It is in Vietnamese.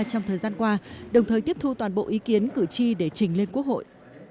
trong thời gian qua đồng thời tiếp thu toàn bộ ý kiến cử tri để trình lên quốc hội